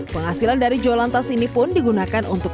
penghasilan dari jualan tas ini pun digunakan untuk